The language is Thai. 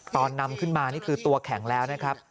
นำขึ้นมานี่คือตัวแข็งแล้วนะครับ